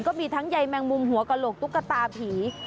ก็มีทั้งใยแมงมุมหัวกระโหลกตุ๊กตาผี